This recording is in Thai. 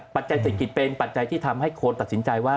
เศรษฐกิจเป็นปัจจัยที่ทำให้คนตัดสินใจว่า